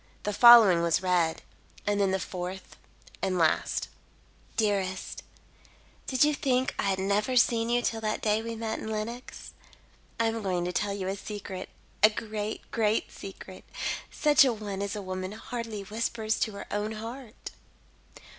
The following was read, and then the fourth and last: "Dearest: "Did you think I had never seen you till that day we met in Lenox? I am going to tell you a secret a great, great secret such a one as a woman hardly whispers to her own heart.